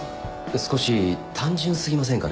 少し単純過ぎませんかね？